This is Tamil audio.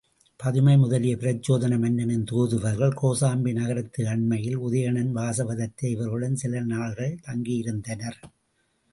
பதுமை முதலிய பிரச்சோதன மன்னனின் தூதுவர்கள் கோசாம்பி நகரத்து அரண்மனையில் உதயணன், வாசவதத்தை இவர்களுடன் சில நாள்கள் தங்கியிருந்தனர்.